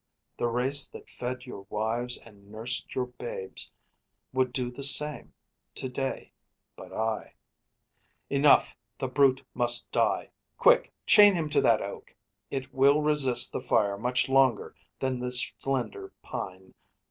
The race that fed Your wives and nursed your babes would do the same To day, but I Enough, the brute must die! Quick! Chain him to that oak! It will resist The fire much longer than this slender pine.